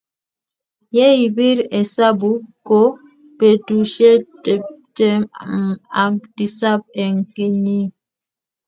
ye ipir esabu ko betushe tepte m ak tisap eng kenyii